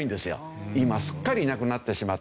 今すっかりいなくなってしまった。